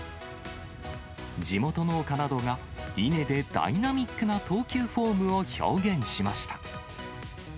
地元農家などが稲でダイナミックな投球フォームを表現しました。